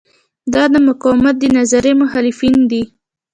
دا د مقاومت د نظریې مخالفین دي.